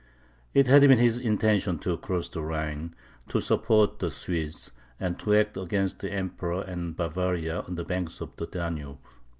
It had been his intention to cross the Rhine, to support the Swedes, and to act against the Emperor and Bavaria on the banks of the Danube.